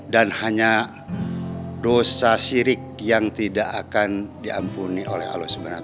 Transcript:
dan hanya dosa syirik yang tidak akan diampuni oleh allah swt